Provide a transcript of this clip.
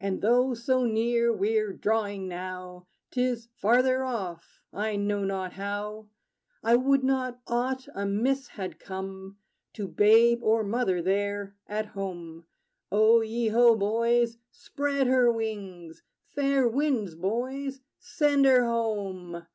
And, though so near we're drawing, now, 'T is farther off I know not how I would not aught amiss had come To babe or mother there, at home! O ye ho, boys! Spread her wings! Fair winds, boys: send her home!